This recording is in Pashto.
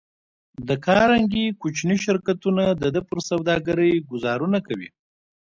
د کارنګي کوچني شرکتونه د ده پر سوداګرۍ ګوزارونه کوي